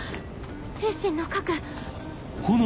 精神の核。